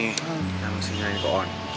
ini kan masih nyalain ke on